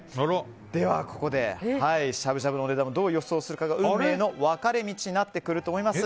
では、ここでしゃぶしゃぶのお値段をどう予想するかが運命の分かれ道になってきます。